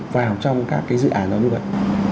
vào trong các cái dự án đó như vậy